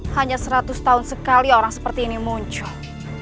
hanya seratus tahun sekali orang seperti ini muncul